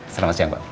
selamat siang pak